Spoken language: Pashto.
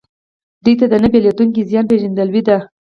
دوی ته د نه بدلیدونکي زیان پېژندل دي.